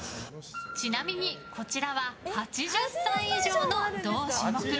ちなみにこちらは８０歳以上の同種目。